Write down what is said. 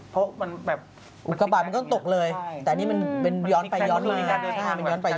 เพราะอุกาบาทมันก็ต้องตกเลยแต่อันนี้มันย้อนไปย้อนไป